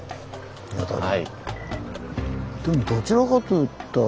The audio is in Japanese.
日当たり。